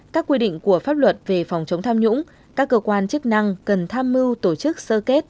các quy định của pháp luật về phòng chống tham nhũng các cơ quan chức năng cần tham mưu tổ chức sơ kết